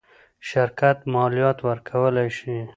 شرکت مالیات ورکولی شي.